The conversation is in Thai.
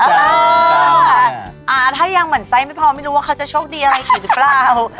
ถ้ายังเหมือนไซส์ไม่พอไม่รู้ว่าเขาจะโชคดีอะไรอีกหรือเปล่า